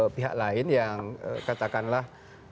pihak lain yang katakanlah